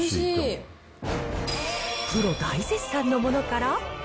プロ大絶賛のものから。